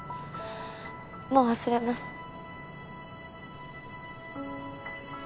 もう忘れます。